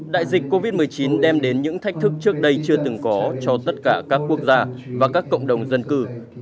đại dịch covid một mươi chín đem đến những thách thức trước đây chưa từng có cho tất cả các quốc gia và các cộng đồng dân cư